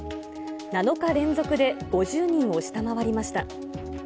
７日連続で５０人を下回りました。